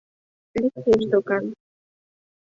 Лектеш докан.